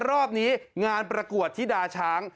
รอบนี้งานประกวดที่ดาช้าง